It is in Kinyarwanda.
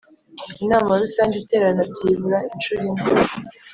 Inama rusange iterana byibura inshuro imwe